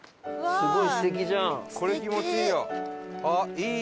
すごい。